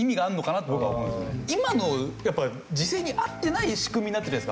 今の時勢に合ってない仕組みになってるじゃないですか。